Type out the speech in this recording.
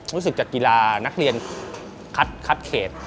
รู้สึกจากกีฬานักเรียนคัดเขต